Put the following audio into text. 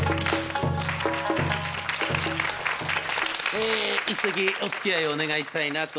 え一席おつきあいをお願いしたいなと思っておりますが。